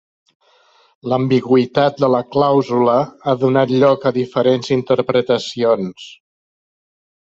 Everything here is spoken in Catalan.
L'ambigüitat de la clàusula ha donat lloc a diferents interpretacions.